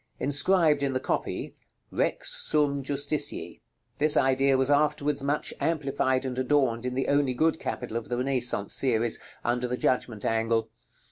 Inscribed in the copy, "REX SUM JUSTICIE." This idea was afterwards much amplified and adorned in the only good capital of the Renaissance series, under the Judgment angle.